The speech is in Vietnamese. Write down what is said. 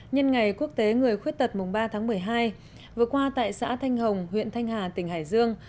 nhân ngày quốc tế người khuyết tật mùng ba tháng một mươi hai vừa qua tại xã thanh hồng huyện thanh hà tỉnh hải dương